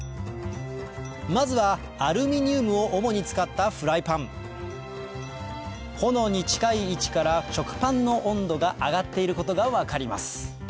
まずはアルミニウムを主に使ったフライパン炎に近い位置から食パンの温度が上がっていることが分かります